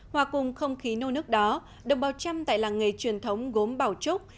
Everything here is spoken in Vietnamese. hòa cùng không khí nô nước đó đồng bào trăm tại làng nghề truyền thống gốm bảo trúc